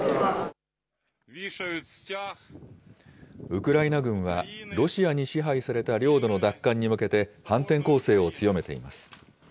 ウクライナ軍は、ロシアに支配された領土の奪還に向けて反転攻勢を強めています。